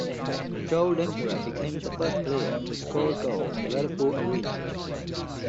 Joel Lindpere became the first player to score a goal at Red Bull Arena.